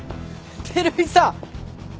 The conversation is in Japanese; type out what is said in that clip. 照井さん。